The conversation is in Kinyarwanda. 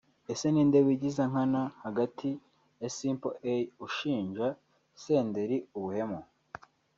Ese ninde wigiza nkana hagati ya Simple A ushinja Senderiubuhemu